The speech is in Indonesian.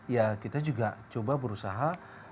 ya kita juga coba berusaha